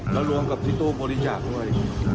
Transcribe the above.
แล้วรวมกับที่ตู้บริจาคด้วย